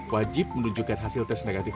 wajib menunjukkan hasil tes negatif